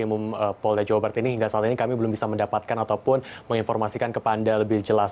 umum polda jawa barat ini hingga saat ini kami belum bisa mendapatkan ataupun menginformasikan kepada anda lebih jelas